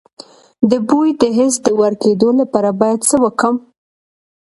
د بوی د حس د ورکیدو لپاره باید څه وکړم؟